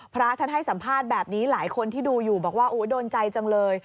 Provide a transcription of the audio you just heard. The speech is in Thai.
พระท่านให้สัมภาษณ์แบบนี้หลายคนที่ดูอยู่บอกว่าโดนใจจังเลย